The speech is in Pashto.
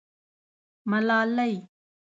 _ملالۍ.